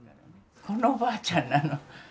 このおばあちゃんなの。